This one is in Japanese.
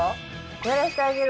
やらしてあげる！